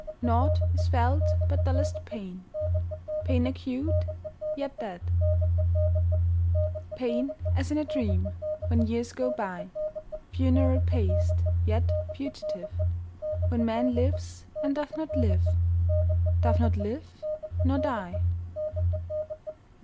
Naught is felt but dullest pain, Pain acute, yet dead; Pain as in a dream, When years go byFuneral paced, yet fugitive, When man lives, and doth not live, Doth not live—nor die.